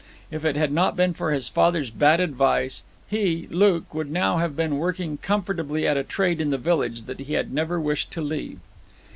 If it had not been for his father's bad advice he, Luke, would now have been working comfortably at a trade in the village that he had never wished to leave.